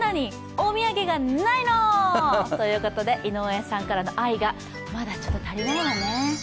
お土産がないのー！ということで井上さんからの愛がまだちょっと足りないわね。